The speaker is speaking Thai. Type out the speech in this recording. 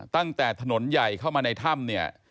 ตั้งแต่ถนนใหญ่เข้ามาในถ้ำเนี่ย